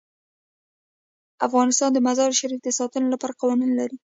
افغانستان د مزارشریف د ساتنې لپاره قوانین لري.